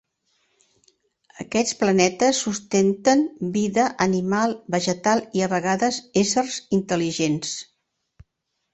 Aquests planetes sustenten vida animal, vegetal i a vegades éssers intel·ligents.